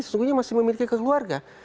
sesungguhnya masih memiliki keluarga